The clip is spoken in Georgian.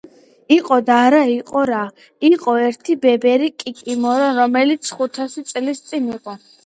იყო და არა იყო რა იყო ერთი ბებერი კიკიმორა რომელიც ხუთასი წლის იყო